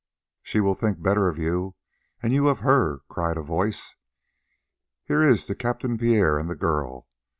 "She will think the better of you, and you of her for it," cried a voice. "Here is to Captain Pierre and the girl."